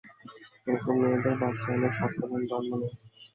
এইরকম মেয়েদের বাচ্চা অনেক স্বাস্থ্যবান জন্ম নেয়।